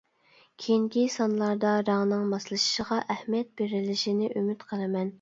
كېيىنكى سانلاردا رەڭنىڭ ماسلىشىشىغا ئەھمىيەت بېرىلىشىنى ئۈمىد قىلىمەن.